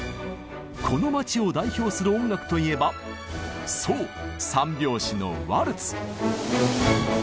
この街を代表する音楽といえばそう３拍子のワルツ！